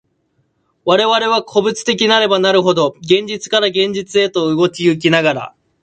我々は個物的なればなるほど、現実から現実へと動き行きながら、